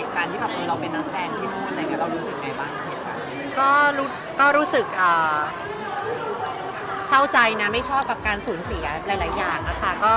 ก็รู้สึกเช่าใจนะไม่ชอบกับการสูญเสียหลายอย่างนะคะ